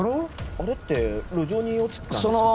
あれって路上に落ちてたんですよね